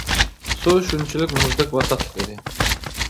سۇ شۇنچىلىك مۇزدەك ۋە تاتلىق ئىدى.